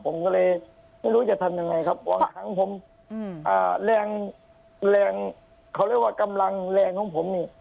ผมก็เลยไม่รู้จะทำยังไงครับบางครั้งผมแรงแรงเขาเรียกว่ากำลังแรงของผมนี่